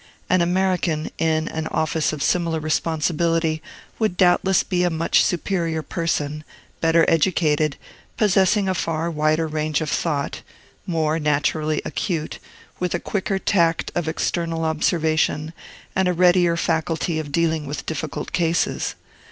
An American, in an office of similar responsibility, would doubtless be a much superior person, better educated, possessing a far wider range of thought, more naturally acute, with a quicker tact of external observation and a readier faculty of dealing with difficult cases.